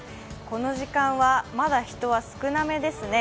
この時間はまだ人は少なめですね。